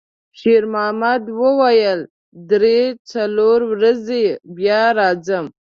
شېرمحمد وویل: «درې، څلور ورځې بیا راځم.»